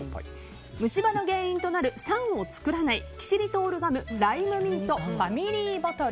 虫歯の原因となる酸を作らないキシリトールガムライムミントファミリーボトル。